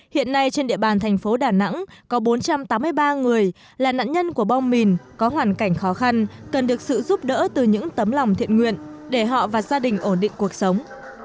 hiện nay trên địa bàn thành phố đà nẵng có bốn trăm tám mươi ba người là nạn nhân của bom mìn có hoàn cảnh khó khăn cần được sự giúp đỡ từ những tấm lòng thiện nguyện để họ và gia đình ổn định cuộc sống